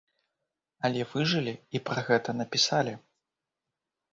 Але выжылі і пра гэта напісалі.